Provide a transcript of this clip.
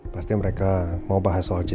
pasti mereka mau bahas soal jessica